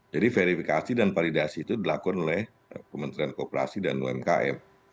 jadi verifikasi dan validasi itu dilakukan oleh kementerian kooperasi dan umkm